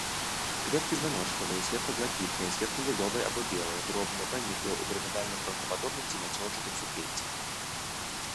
Кветкі званочкавыя, светла-блакітныя, светла-ліловыя або белыя, дробныя, паніклыя, у пірамідальных гронкападобных ці мяцёлчатых суквеццях.